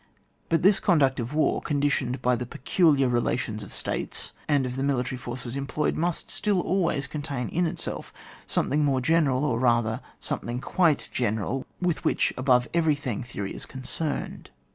But this conduct of war^ conditioned by the peculiar relations of States, and of the nuHtary force employed, must still always contain in itself something more general, or rather sometliing quite gene ral, with which, above everything, theory is concerned.